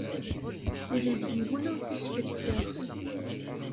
Ula d yiwen ur t-id-kellseɣ.